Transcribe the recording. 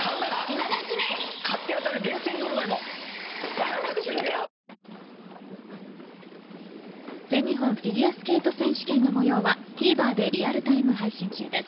サントリー全日本フィギュアスケート選手権の模様はＴＶｅｒでリアルタイム配信中です。